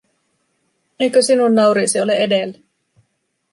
Eikö sinun nauriisi ole edellä?